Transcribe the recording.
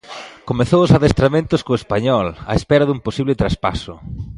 Comezou os adestramentos co Español á espera dun posible traspaso.